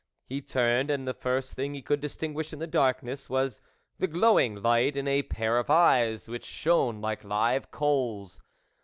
He turned and the first thing he could distinguish in the darkness was the glowing light in a pair of eyes which shone like live coals.